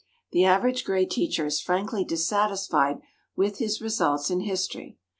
The average grade teacher is frankly dissatisfied with his results in history.